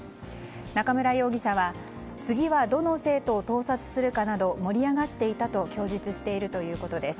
中村容疑者は、次はどの生徒を盗撮するかなど盛り上がっていたと供述しているということです。